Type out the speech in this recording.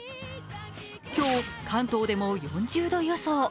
今日、関東でも４０度予想。